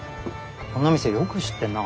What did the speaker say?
こんな店よく知ってんな。